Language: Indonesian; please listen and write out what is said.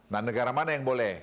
nah negara mana yang boleh